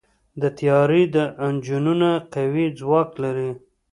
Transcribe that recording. د طیارې انجنونه قوي ځواک لري.